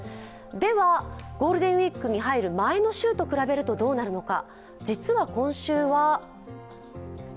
では、ゴールデンウイークに入る前の週と比べるとどうなるのか。